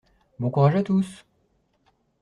Bon courage à tous!